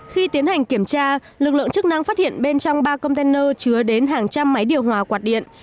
khi tiến hành kiểm tra lực lượng chức năng phát hiện bên trong ba container chứa đến hàng trăm máy điều hòa quạt điện